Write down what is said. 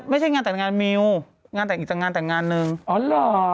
ไม่ใช่งานแต่งงานมิวงานแต่งงานหนึ่งอ๋อเหรอ